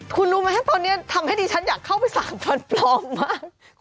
คุณรู้ไหมตอนนี้ทำให้ดิฉันอยากเข้าไปสั่งฟันปลอมบ้าง